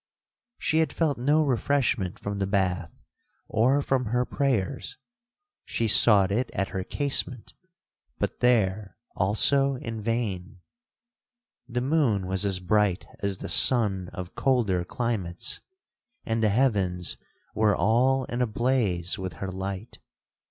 'She had felt no refreshment from the bath, or from her prayers—she sought it at her casement, but there also in vain. The moon was as bright as the sun of colder climates, and the heavens were all in a blaze with her light.